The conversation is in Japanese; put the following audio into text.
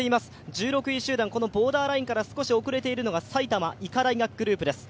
１６位集団、このボーダーラインから少し遅れているのが埼玉医科大学グループです。